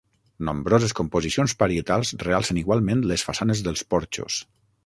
Nombroses composicions parietals realcen igualment les façanes dels porxos.